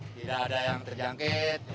tidak ada yang terjangkit